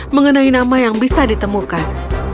mengenai nama yang bisa ditemukan